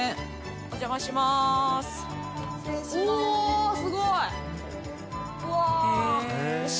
お邪魔します。